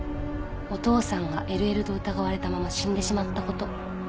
お父さんがＬＬと疑われたまま死んでしまったこと。